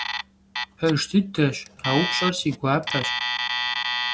Пэж дыдэщ, а упщӀэр си гуапэщ.